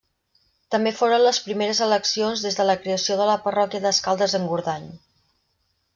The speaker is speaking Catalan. També foren les primeres eleccions des de la creació de la parròquia d'Escaldes-Engordany.